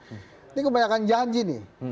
ini kebanyakan janji nih